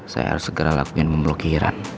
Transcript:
saya harus segera lakukan pemblokiran